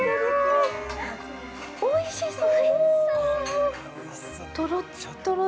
◆おいしい！